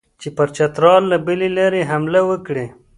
چې پر چترال له بلې لارې حمله وکړي.